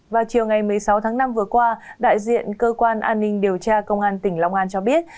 vào chiều ngày một mươi sáu tháng năm vừa qua đại diện cơ quan an ninh điều tra công an tỉnh long an cho biết